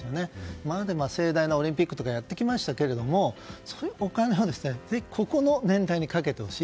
今まで盛大なオリンピックとかやってきましたけどお金を使うならここの年代にかけてほしい。